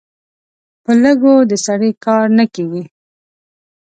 په لږو د سړي کار نه کېږي.